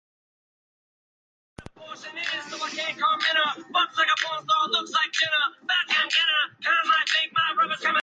In all she wrote over fifty novels and plays and many anthologised short stories.